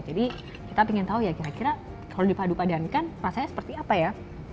jadi kita ingin tahu ya kira kira kalau dipaduk pada ikan rasanya seperti apa ya